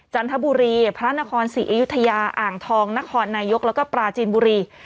จันทบุรีพระนครศรีอยุธยาอ่างทองนครนายกแล้วก็ปราจีนบุรี